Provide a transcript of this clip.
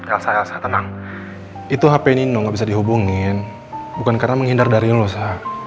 elsa elsa tenang itu hp nino nggak bisa dihubungin bukan karena menghindar dari lo sa